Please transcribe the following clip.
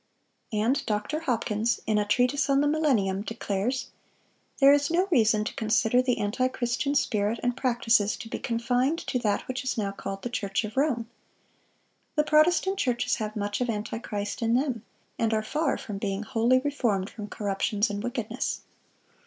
(631) And Dr. Hopkins, in "A Treatise on the Millennium," declares: "There is no reason to consider the antichristian spirit and practices to be confined to that which is now called the Church of Rome. The Protestant churches have much of antichrist in them, and are far from being wholly reformed from ... corruptions and wickedness."